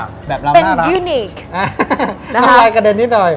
แบบเราน่ารักเป็นยูนิคนะคะอะไรกระเด็นนิดหน่อย